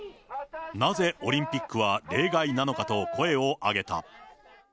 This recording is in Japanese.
なぜオリンピックは例外なのかと声を上げた。